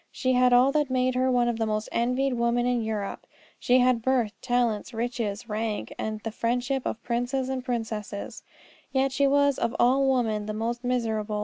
She had all that made her one of the most envied women in Europe; she had birth, talents, riches, rank, and the friendship of princes and princesses, and yet she was of all women the most miserable.